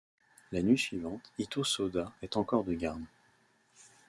La nuit suivante, Itô Sôda est encore de garde.